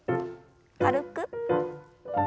軽く。